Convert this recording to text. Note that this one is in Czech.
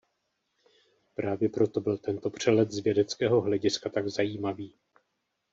Právě proto byl tento přelet z vědeckého hlediska tak zajímavý.